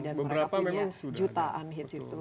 dan mereka punya jutaan hits itu